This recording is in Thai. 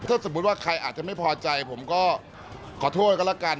ถ้าสมมุติว่าใครอาจจะไม่พอใจผมก็ขอโทษกันแล้วกัน